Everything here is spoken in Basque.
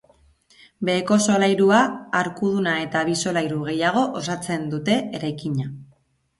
Beheko solairua arkuduna eta bi solairu gehiago osatzen dute eraikina.